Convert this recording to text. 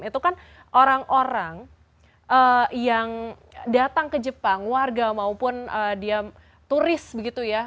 itu kan orang orang yang datang ke jepang warga maupun dia turis begitu ya